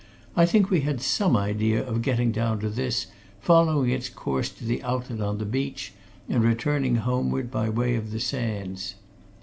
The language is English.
I think we had some idea of getting down to this, following its course to its outlet on the beach, and returning homeward by way of the sands.